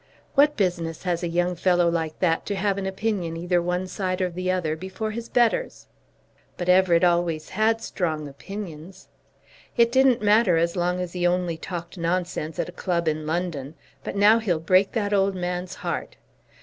What business has a young fellow like that to have an opinion either one side or the other, before his betters?" "But Everett always had strong opinions." "It didn't matter as long as he only talked nonsense at a club in London, but now he'll break that old man's heart."